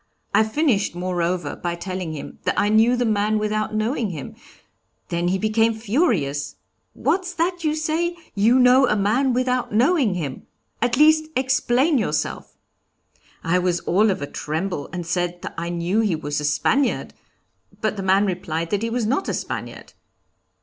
I finished, moreover, by telling him that I knew the man without knowing him; then he became furious: 'What's that you say? You know a man without knowing him! At least explain yourself!' I was all of a tremble, and said that I knew he was a Spaniard, but the man replied that he was not a Spaniard.